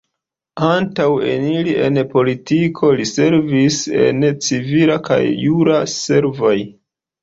Antaŭ eniri en politiko, li servis en civila kaj jura servoj.